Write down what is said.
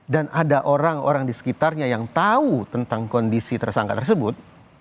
dan ada orang orang di sekitarnya yang tahu tentang kondisi tersangka tersebut